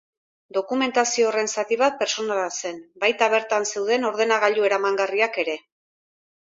Dokumentazio horren zati bat pertsonala zen, baita bertan zeuden ordenagailu eramangarriak ere.